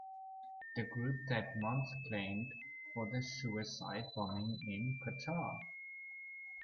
The group that month claimed for the suicide bombing in Qatar.